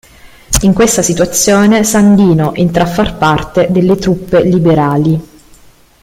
In questa situazione Sandino entra a far parte delle truppe liberali.